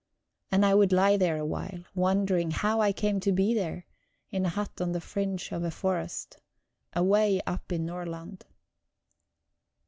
And I would lie there a while, wondering how I came to be there, in a hut on the fringe of a forest, away up in Nordland.